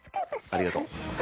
ありがとう。